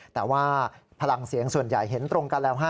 แต่ว่าพลังเสียงส่วนใหญ่เห็นตรงกันแล้วฮะ